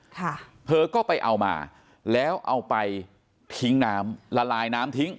ค่ะเธอก็ไปเอามาแล้วเอาไปทิ้งน้ำละลายน้ำทิ้ง